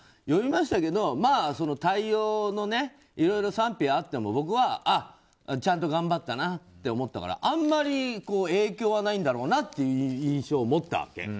読みましたけど対応のいろいろ賛否はあっても僕は、ちゃんと頑張ったなって思ったからあんまり影響はないんだろうなっていう印象を持ったわけ。